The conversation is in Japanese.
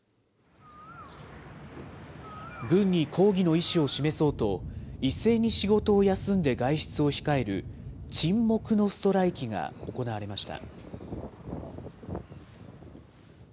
軍に抗議の意思を示そうと、一斉に仕事を休んで外出を控える、沈黙のストライキが行われました。